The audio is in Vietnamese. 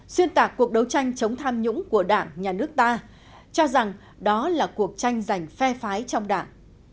xuyên tạc cuộc đấu tranh chống tham nhũng của đảng nhà nước ta cho rằng đó là cuộc tranh giành phe phái trong đảng